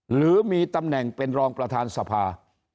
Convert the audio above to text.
หรือมีตำแหน่งเป็นรองประธานสภา